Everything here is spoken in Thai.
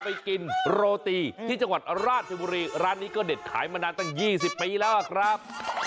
ไปกินโรตีที่จังหวัดราชบุรีร้านนี้ก็เด็ดขายมานานตั้ง๒๐ปีแล้วครับ